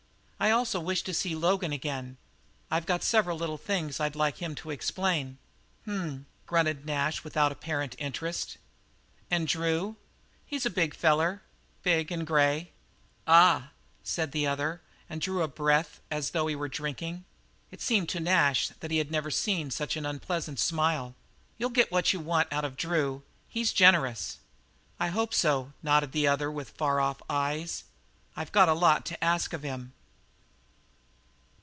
Also I wish to see Logan again. I've got several little things I'd like to have him explain." "H m!" grunted Nash without apparent interest. "And Drew?" "He's a big feller; big and grey." "Ah h h," said the other, and drew in his breath, as though he were drinking. It seemed to Nash that he had never seen such an unpleasant smile. "You'll get what you want out of Drew. He's generous." "I hope so," nodded the other, with far off eyes. "I've got a lot to ask of him."